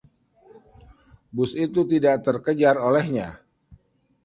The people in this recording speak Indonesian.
bus itu tidak terkejar olehnya